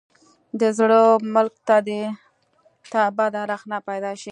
د زړه ملک ته بده رخنه پیدا شي.